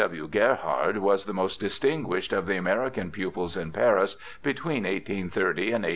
W. W. Gerhard was the most distinguished of the American pupils in Paris between 1830 and 1840.